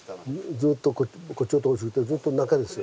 ずっとこっちのとこずっと中ですよ。